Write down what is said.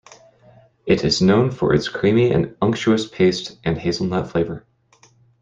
It is known for its creamy and unctuous paste and hazelnut flavour.